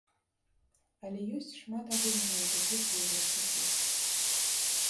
Але ёсць шмат агульнага ў такіх выбаршчыкаў.